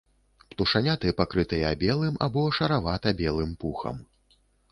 Птушаняты пакрытыя белым або шаравата-белым пухам.